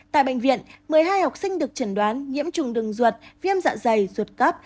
tại bệnh viện một mươi hai học sinh được chẩn đoán nhiễm trùng đường ruột viêm dạ dày ruột cấp